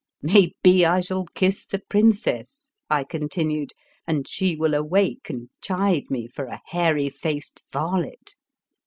" Maybe I shall kiss the princess," I continued, M and she will awake and chide me for a hairy faced varlet."